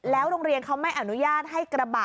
โรงเรียนเขาไม่อนุญาตให้กระบะ